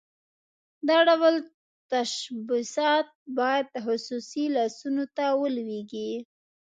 دا ډول تشبثات باید خصوصي لاسونو ته ولویږي.